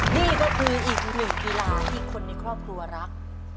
นี่ก็คืออีกหนึ่งกีฬาที่คนในครอบครัวรัก